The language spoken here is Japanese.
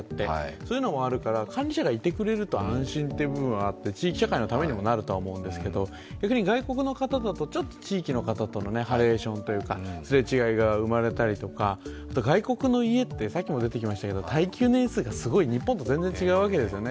そういうのもあるから、管理者がいてくれると安心というのもあって地域社会のためにもなると思うんですけど、逆に外国の方だとちょっと地域の方とのハレーションというか、すれ違いが生まれたりとか、外国の家って、さっきも出てきましたけど耐久年数がすごい、日本と全然違うわけですよね。